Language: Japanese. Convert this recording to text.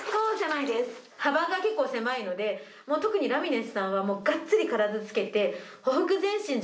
幅が結構狭いので特にラミレスさんはがっつり体つけて。